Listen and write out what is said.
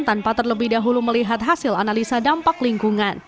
tanpa terlebih dahulu melihat hasil analisa dampak lingkungan